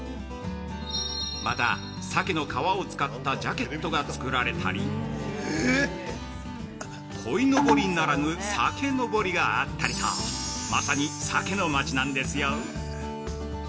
また、鮭の皮を使ったジャケットが作られたり、鯉のぼりならぬ「鮭のぼり」があったりと、まさに「鮭の町」なんですよ。